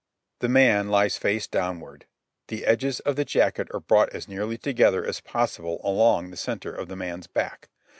The man lies face downward. The edges of the jacket are brought as nearly together as possible along the centre of the man's back.